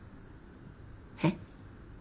えっ？